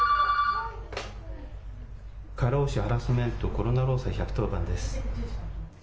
過労死・ハラスメント・コロナ労災１１０番です。